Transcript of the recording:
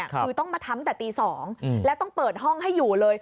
คือต้องมาทำแต่ตี๒แล้วต้องเปิดห้องให้อยู่เลย